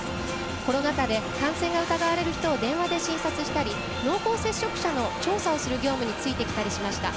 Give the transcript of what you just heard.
コロナ禍で感染が疑われる人を電話で診察したり濃厚接触者の調査をする業務についてきたりしました。